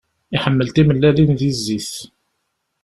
Iḥemmel timellalin di zzit.